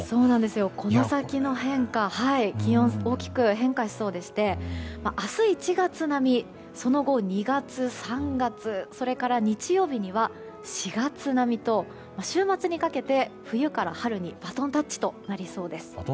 この先気温が大きく変化しそうでして明日１月並みその後、２月、３月それから日曜日には４月並みと週末にかけて冬から春にバトンタッチとなりそうです。